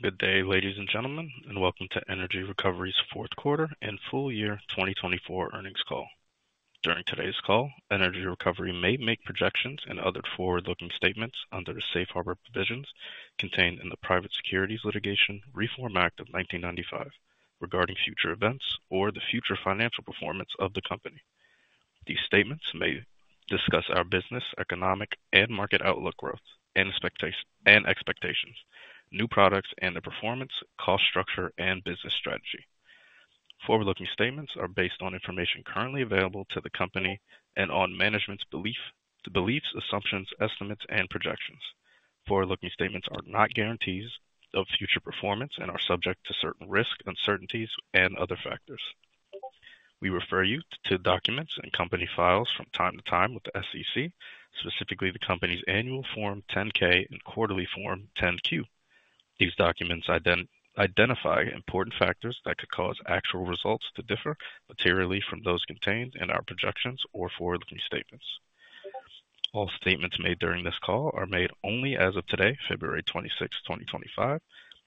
Good day, ladies and gentlemen, and welcome to Energy Recovery's Fourth Quarter and Full Year 2024 Earnings Call. During today's call, Energy Recovery may make projections and other forward-looking statements under the Safe Harbor provisions contained in the Private Securities Litigation Reform Act of 1995 regarding future events or the future financial performance of the company. These statements may discuss our business, economic, and market outlook growth and expectations, new products, and the performance, cost structure, and business strategy. Forward-looking statements are based on information currently available to the company and on management's beliefs, assumptions, estimates, and projections. Forward-looking statements are not guarantees of future performance and are subject to certain risks, uncertainties, and other factors. We refer you to documents and company files from time to time with the SEC, specifically the company's annual Form 10-K and quarterly Form 10-Q. These documents identify important factors that could cause actual results to differ materially from those contained in our projections or forward-looking statements. All statements made during this call are made only as of today, February 26, 2025,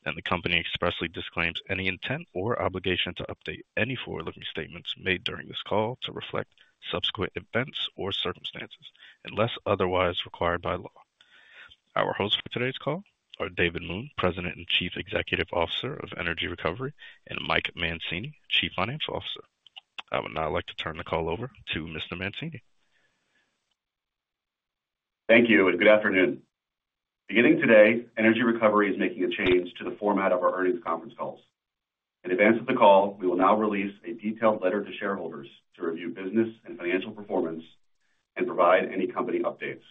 and the company expressly disclaims any intent or obligation to update any forward-looking statements made during this call to reflect subsequent events or circumstances unless otherwise required by law. Our hosts for today's call are David Moon, President and Chief Executive Officer of Energy Recovery, and Mike Mancini, Chief Financial Officer. I would now like to turn the call over to Mr. Mancini. Thank you, and good afternoon. Beginning today, Energy Recovery is making a change to the format of our earnings conference calls. In advance of the call, we will now release a detailed letter to shareholders to review business and financial performance and provide any company updates.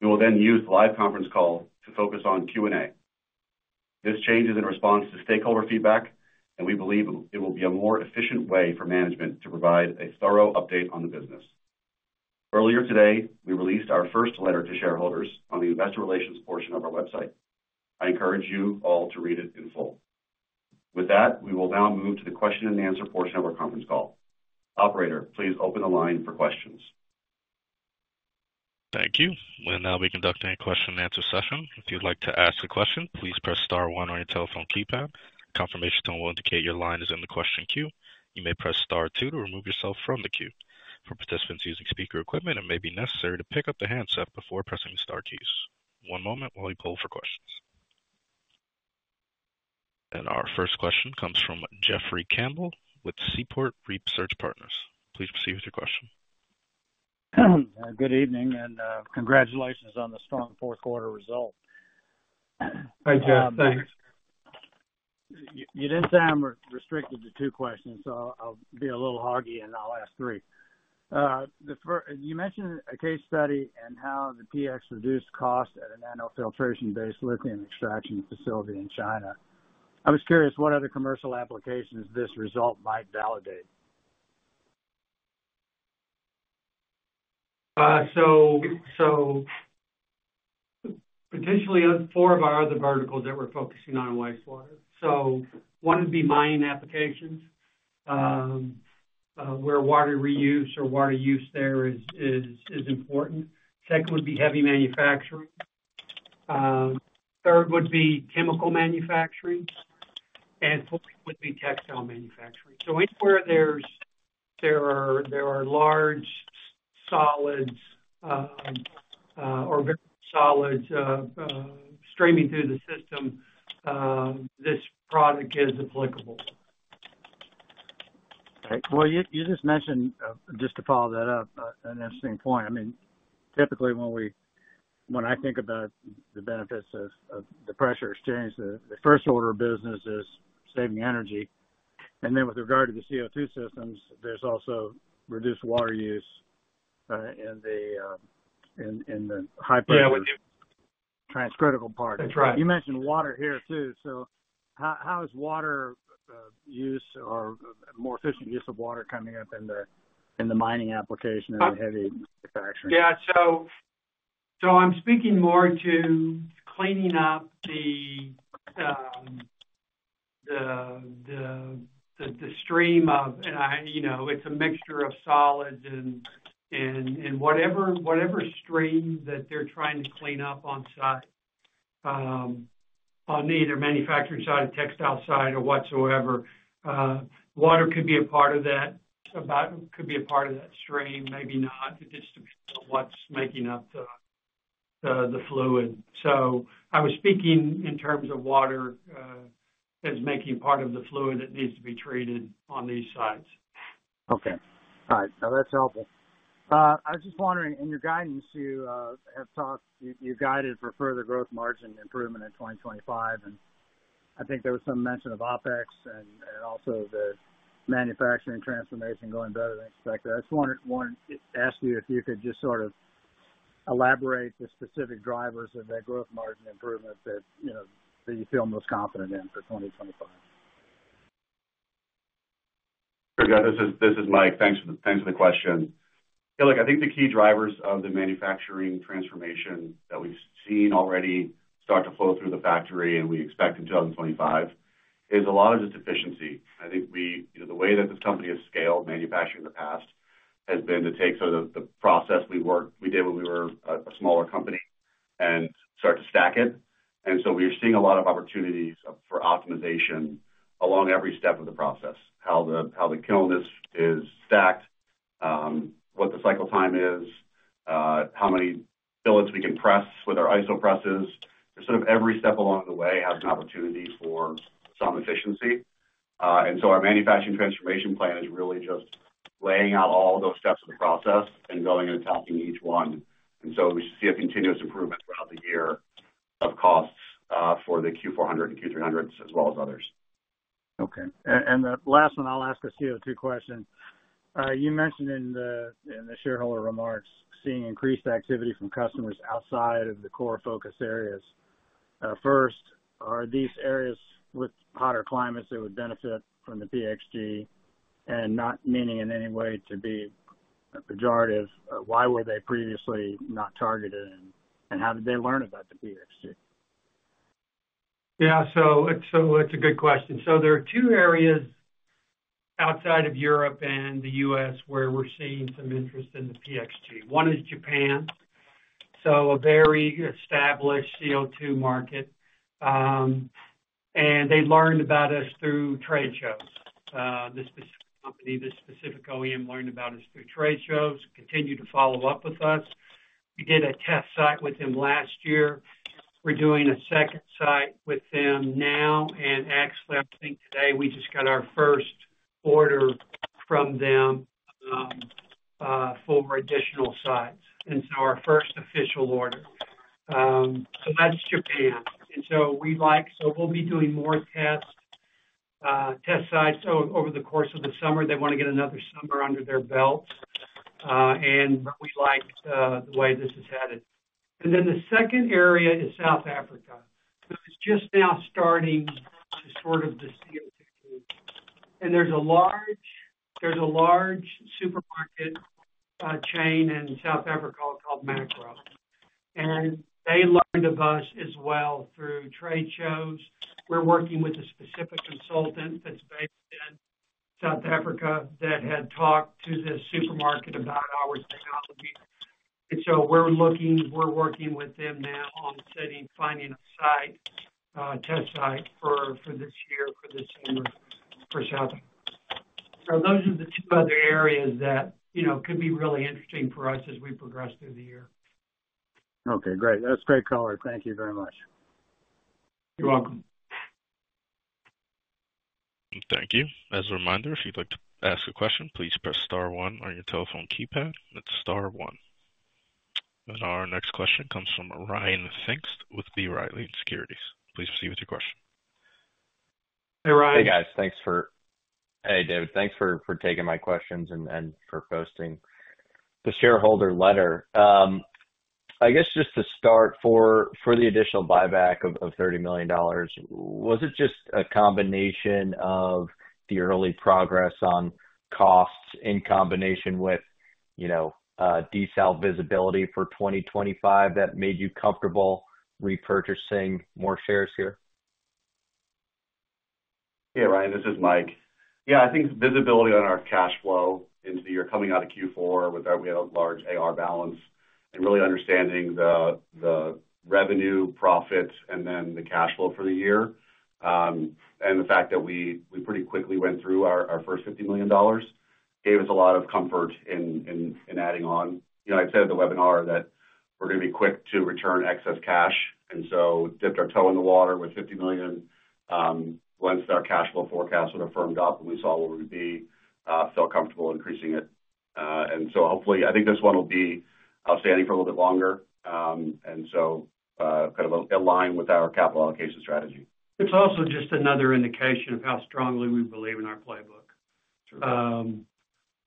We will then use the live conference call to focus on Q&A. This change is in response to stakeholder feedback, and we believe it will be a more efficient way for management to provide a thorough update on the business. Earlier today, we released our first letter to shareholders on the investor relations portion of our website. I encourage you all to read it in full. With that, we will now move to the question and answer portion of our conference call. Operator, please open the line for questions. Thank you. We'll now be conducting a question and answer session. If you'd like to ask a question, please press star one on your telephone keypad. Confirmation will indicate your line is in the question queue. You may press star two to remove yourself from the queue. For participants using speaker equipment, it may be necessary to pick up the handset before pressing the star keys. One moment while we pull for questions. And our first question comes from Jeffrey Campbell with Seaport Research Partners. Please proceed with your question. Good evening, and congratulations on the strong fourth quarter result. Thanks. You didn't say I'm restricted to two questions, so I'll be a little hoggy, and I'll ask three. You mentioned a case study and how the PX reduced cost at a nanofiltration-based lithium extraction facility in China. I was curious what other commercial applications this result might validate. So, potentially four of our other verticals that we're focusing on wastewater. So, one would be mining applications where water reuse or water use there is important. Second would be heavy manufacturing. Third would be chemical manufacturing. And fourth would be textile manufacturing. So, anywhere there are large solids or solids streaming through the system, this product is applicable. All right. Well, you just mentioned, just to follow that up, an interesting point. I mean, typically when I think about the benefits of the pressure exchanger, the first order of business is saving energy. And then with regard to the CO2 systems, there's also reduced water use in the high pressure transcritical part. You mentioned water here too. So how is water use or more efficient use of water coming up in the mining application and the heavy manufacturing? Yeah, so I'm speaking more to cleaning up the stream of, and it's a mixture of solids and whatever stream that they're trying to clean up on site, on either manufacturing side or textile side or whatsoever. Water could be a part of that. About could be a part of that stream, maybe not. It just depends on what's making up the fluid, so I was speaking in terms of water as making up part of the fluid that needs to be treated on these sites. Okay. All right. No, that's helpful. I was just wondering, in your guidance, you have talked you guided for further gross margin improvement in 2025, and I think there was some mention of OpEx and also the manufacturing transformation going better than expected. I just wanted to ask you if you could just sort of elaborate the specific drivers of that gross margin improvement that you feel most confident in for 2025. This is Mike. Thanks for the question. I think the key drivers of the manufacturing transformation that we've seen already start to flow through the factory and we expect in 2025 is a lot of just efficiency. I think the way that this company has scaled manufacturing in the past has been to take sort of the process we did when we were a smaller company and start to stack it. And so we are seeing a lot of opportunities for optimization along every step of the process, how the kiln is stacked, what the cycle time is, how many billets we can press with our isopresses. Sort of every step along the way has an opportunity for some efficiency. And so our manufacturing transformation plan is really just laying out all those steps of the process and going and attacking each one. We should see a continuous improvement throughout the year of costs for the Q400 and Q300s as well as others. Okay. And the last one, I'll ask a CO2 question. You mentioned in the shareholder remarks seeing increased activity from customers outside of the core focus areas. First, are these areas with hotter climates that would benefit from the PX G and not meaning in any way to be pejorative? Why were they previously not targeted, and how did they learn about the PX G? Yeah. So it's a good question. So there are two areas outside of Europe and the U.S. where we're seeing some interest in the PX G. One is Japan, so a very established CO2 market. And they learned about us through trade shows. The specific company, the specific OEM learned about us through trade shows, continued to follow up with us. We did a test site with them last year. We're doing a second site with them now. And actually, I think today we just got our first order from them for additional sites. And so our first official order. So that's Japan. And so we'll be doing more test sites. So over the course of the summer, they want to get another summer under their belts. And we like the way this has had it. And then the second area is South Africa. So it's just now starting to sort of the CO2. And there's a large supermarket chain in South Africa called Makro. And they learned of us as well through trade shows. We're working with a specific consultant that's based in South Africa that had talked to this supermarket about our technology. And so we're working with them now on finding a test site for this year, for this summer, for South Africa. So those are the two other areas that could be really interesting for us as we progress through the year. Okay. Great. That's great color. Thank you very much. You're welcome. Thank you. As a reminder, if you'd like to ask a question, please press star one on your telephone keypad. That's star one. And our next question comes from Ryan Pfingst with B. Riley Securities. Please proceed with your question. Hey, Ryan. Hey, guys. Thanks for, hey, David. Thanks for taking my questions and for posting the shareholder letter. I guess just to start, for the additional buyback of $30 million, was it just a combination of the early progress on costs in combination with desal visibility for 2025 that made you comfortable repurchasing more shares here? Yeah, Ryan, this is Mike. Yeah, I think visibility on our cash flow into the year coming out of Q4, we had a large AR balance and really understanding the revenue, profits, and then the cash flow for the year. And the fact that we pretty quickly went through our first $50 million gave us a lot of comfort in adding on. I'd said at the webinar that we're going to be quick to return excess cash. And so dipped our toe in the water with $50 million. Once our cash flow forecast sort of firmed up and we saw where we'd be, felt comfortable increasing it, and so hopefully, I think this one will be outstanding for a little bit longer and so kind of aligned with our capital allocation strategy. It's also just another indication of how strongly we believe in our playbook.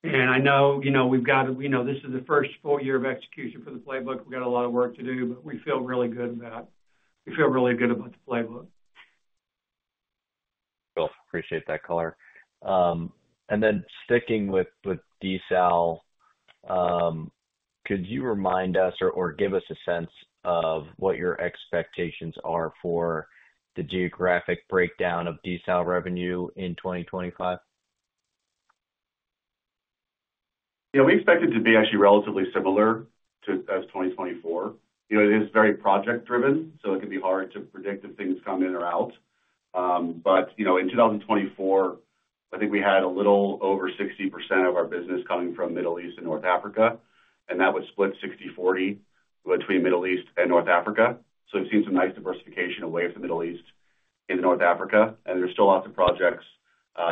And I know we know this is the first full year of execution for the playbook. We've got a lot of work to do, but we feel really good about the playbook. Cool. Appreciate that color. And then sticking with desal, could you remind us or give us a sense of what your expectations are for the geographic breakdown of desal revenue in 2025? Yeah, we expect it to be actually relatively similar to 2024. It is very project-driven, so it can be hard to predict if things come in or out. But in 2024, I think we had a little over 60% of our business coming from Middle East and North Africa, and that would split 60/40 between Middle East and North Africa. So we've seen some nice diversification away from the Middle East in North Africa, and there's still lots of projects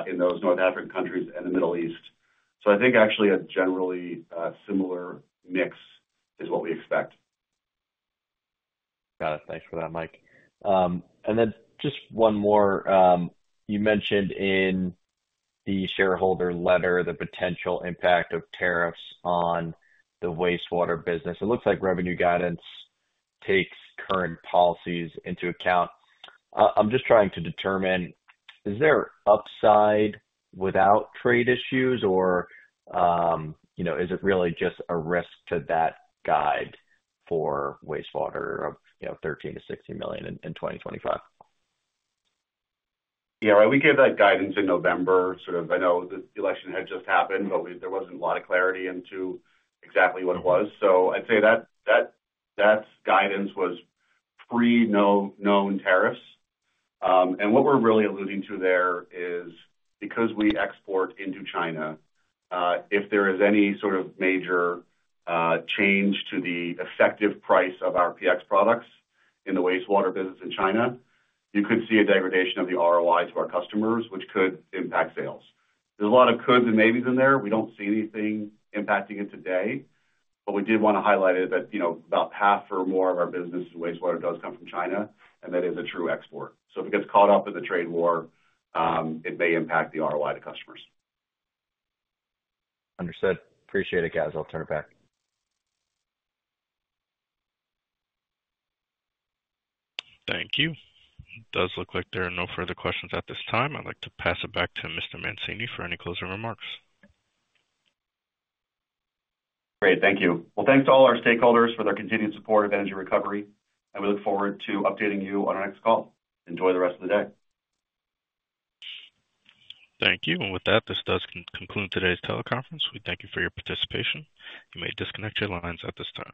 in those North African countries and the Middle East. So I think actually a generally similar mix is what we expect. Got it. Thanks for that, Mike. And then just one more. You mentioned in the shareholder letter the potential impact of tariffs on the wastewater business. It looks like revenue guidance takes current policies into account. I'm just trying to determine, is there upside without trade issues, or is it really just a risk to that guide for wastewater of $13 million-$16 million in 2025? Yeah, right. We gave that guidance in November. Sort of, I know the election had just happened, but there wasn't a lot of clarity into exactly what it was. So I'd say that guidance was pre-known tariffs. And what we're really alluding to there is because we export into China, if there is any sort of major change to the effective price of our PX products in the wastewater business in China, you could see a degradation of the ROI to our customers, which could impact sales. There's a lot of coulds and maybes in there. We don't see anything impacting it today, but we did want to highlight it that about half or more of our business in wastewater does come from China, and that is a true export. So if it gets caught up in the trade war, it may impact the ROI to customers. Understood. Appreciate it, guys. I'll turn it back. Thank you. It does look like there are no further questions at this time. I'd like to pass it back to Mr. Mancini for any closing remarks. Great. Thank you. Well, thanks to all our stakeholders for their continued support of Energy Recovery, and we look forward to updating you on our next call. Enjoy the rest of the day. Thank you. And with that, this does conclude today's teleconference. We thank you for your participation. You may disconnect your lines at this time.